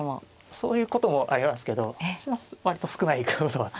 そういうこともありますけど割と少ないかなとは。